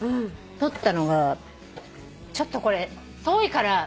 撮ったのがちょっとこれ遠いから。